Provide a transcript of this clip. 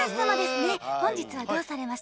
本日はどうされましたか？